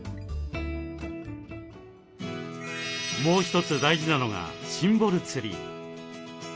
もう一つ大事なのがシンボルツリー。